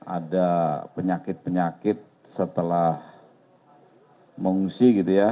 ada penyakit penyakit setelah mengungsi gitu ya